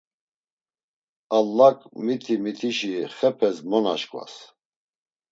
Allak miti mitişi xepes mo naşǩvas.